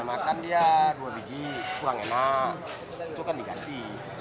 makan dia dua biji kurang enak itu kan diganti